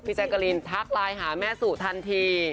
พี่แจกรินทักไลน์หาแม่สูทันที